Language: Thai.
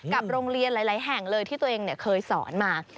โรงเรียนหลายแห่งเลยที่ตัวเองเคยสอนมา